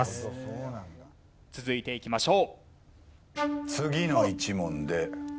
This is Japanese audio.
続いていきましょう。